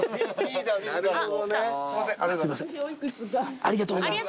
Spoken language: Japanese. ありがとうございます。